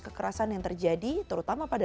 kekerasan yang terjadi terutama pada